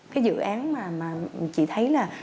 cái dự án mà chị thấy là